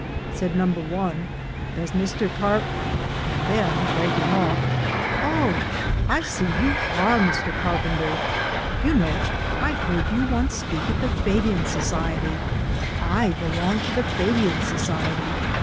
Said number one :" Does Mr. Carp " and then breaking off, " Oh ! I see you are Mr. Carpenter. You know, I heard you once speak at the Fabian Society. I belong to the Fabian Society.